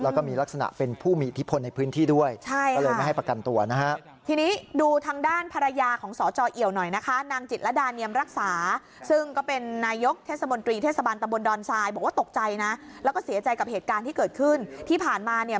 แล้วก็มีลักษณะเป็นผู้มีอิทธิพลในพื้นที่ด้วย